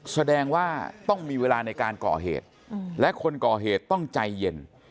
แสดงว่าต้องมีเวลาในการก่อเหตุและคนก่อเหตุต้องใจเย็น